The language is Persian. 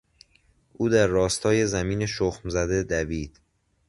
او در راستای زمین شخم زده دوید.